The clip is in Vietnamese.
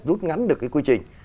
giúp rút ngắn được cái quy trình